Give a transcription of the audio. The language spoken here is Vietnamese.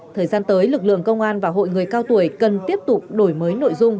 thời gian tới lực lượng công an và hội người cao tuổi cần tiếp tục đổi mới nội dung